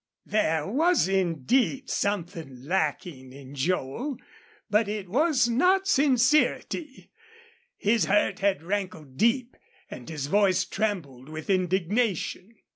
There was indeed something lacking in Joel, but it was not sincerity. His hurt had rankled deep and his voice trembled with indignation.